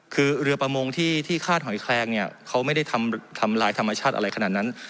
คือเรือประมงที่คาดหอยแคลงเนี่ยเขาไม่ได้ทำลายธรรมชาติอะไรขนาดนั้น